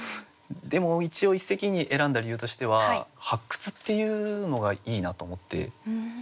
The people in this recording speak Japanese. でも一応一席に選んだ理由としては発掘っていうのがいいなと思って。